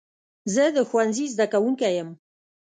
زه د ښوونځي زده کوونکی یم.